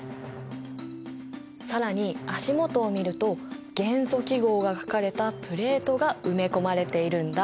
更に足元を見ると元素記号が書かれたプレートが埋め込まれているんだ。